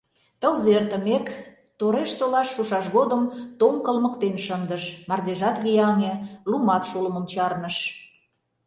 Тылзе эртымек, Торешсолаш шушаш годым, тоҥ кылмыктен шындыш, мардежат вияҥе, лумат шулымым чарныш.